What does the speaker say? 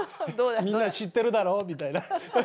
みんな知ってるだろうみたいな。